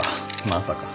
まさか。